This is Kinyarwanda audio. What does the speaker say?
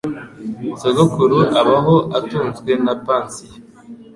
Sogokuru abaho atunzwe na pansiyo.